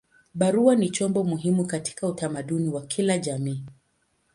Barua ni chombo muhimu katika utamaduni wa kila jamii.